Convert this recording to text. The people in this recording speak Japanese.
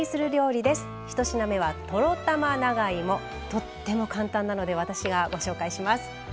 とっても簡単なので私がご紹介します。